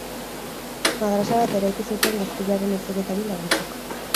Madrasa bat eraiki zuten gazteriaren heziketari laguntzeko.